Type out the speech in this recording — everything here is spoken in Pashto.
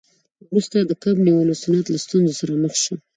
وروسته د کب نیولو صنعت له ستونزو سره مخ شو.